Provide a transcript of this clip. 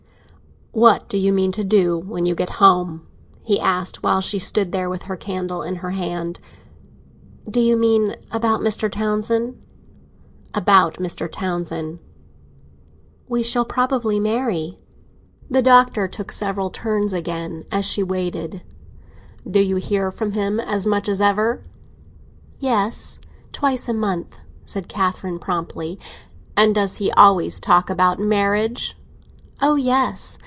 "What do you mean to do when you get home?" he asked, while she stood there with her candle in her hand. "Do you mean about Mr. Townsend?" "About Mr. Townsend." "We shall probably marry." The Doctor took several turns again while she waited. "Do you hear from him as much as ever?" "Yes; twice a month," said Catherine promptly. "And does he always talk about marriage?" "Oh yes!